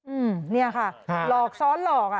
อืมนี่ค่ะหลอกซ้อนหลอก